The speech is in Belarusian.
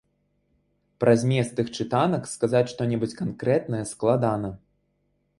Пра змест іх чытанак сказаць што-небудзь канкрэтнае складана.